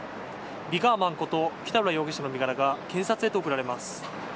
ＶＩＧＯＲＭＡＮこと北浦容疑者の身柄が検察へと送られます。